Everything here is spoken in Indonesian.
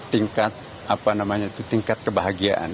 tingkat apa namanya itu tingkat kebahagiaan